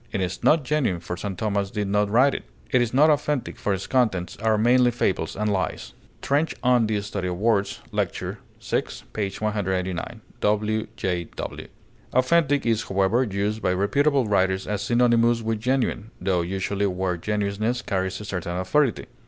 It is not 'genuine,' for St. Thomas did not write it; it is not 'authentic,' for its contents are mainly fables and lies. TRENCH On the Study of Words lect. vi, p. 189. [W. J. W.] Authentic is, however, used by reputable writers as synonymous with genuine, tho usually where genuineness carries a certain authority.